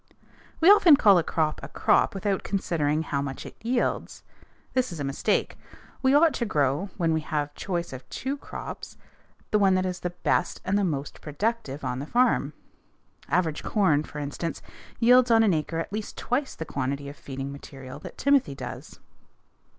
_ We often call a crop a crop without considering how much it yields. This is a mistake. We ought to grow, when we have choice of two crops, the one that is the best and the most productive on the farm. Average corn, for instance, yields on an acre at least twice the quantity of feeding material that timothy does.